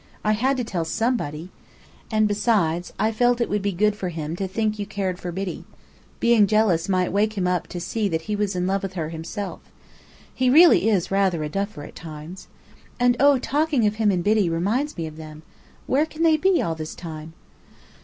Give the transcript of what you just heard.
I had to tell somebody! And besides, I felt it would be good for him to think you cared for Biddy. Being jealous might wake him up to see that he was in love with her himself. He really is rather a duffer, at times! And oh, talking of him and Biddy reminds me of them! Where can they be, all this time?"